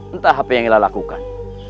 entah apa yang kita lakukan